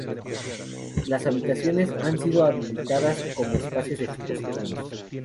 Las habitaciones han sido habilitadas como espacios expositivos.